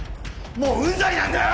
もううんざりなんだよ！